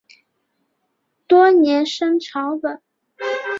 多年生草本。